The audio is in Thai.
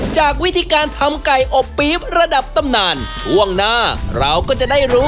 จากวิธีการทำไก่อบปี๊บระดับตำนานช่วงหน้าเราก็จะได้รู้